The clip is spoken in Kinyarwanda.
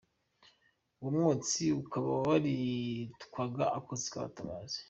Uwo mwotsi ukaba waritwaga " Akotsi k’abatabazi".